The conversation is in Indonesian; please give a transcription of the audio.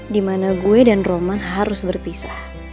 dimana gue dan roman harus berpisah